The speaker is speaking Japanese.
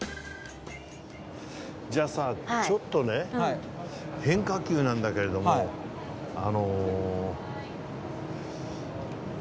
じゃあさちょっとね変化球なんだけれどもあの。